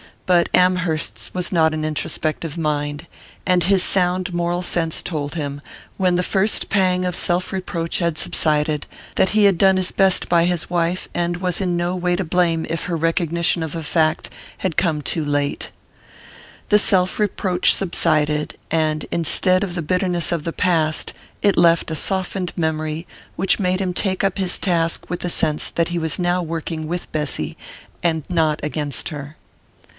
But Amherst's was not an introspective mind, and his sound moral sense told him, when the first pang of self reproach had subsided, that he had done his best by his wife, and was in no way to blame if her recognition of the fact had come too late. The self reproach subsided; and, instead of the bitterness of the past, it left a softened memory which made him take up his task with the sense that he was now working with Bessy and not against her.